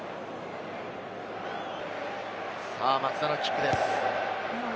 さぁ、松田のキックです。